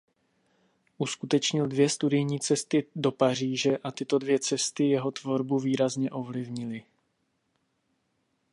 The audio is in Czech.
Uskutečnil dvě studijní cesty do Paříže a tyto dvě cesty jeho tvorbu výrazně ovlivnily.